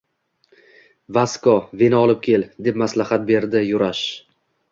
Vasko, vino olib kel, – deb maslahat berdi Yurash.